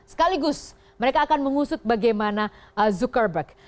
sekaligus mereka akan mengusut bagaimana zuckerberg